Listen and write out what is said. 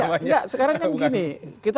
enggak enggak sekarang kan begini